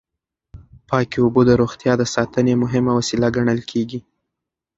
پاکې اوبه د روغتیا د ساتنې مهمه وسیله ګڼل کېږي.